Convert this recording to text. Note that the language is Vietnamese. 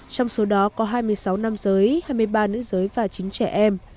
trong số đó có hai mươi sáu nam giới hai mươi ba nữ giới và chín trẻ em